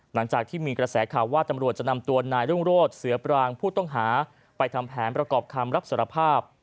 หลังจากที่มีกระแสข่าวว่าตำรวจจะนำตัวนายรุ่งโรศเสือปรางผู้ต้องหาไปทำแผนประกอบคำรับสารภาพ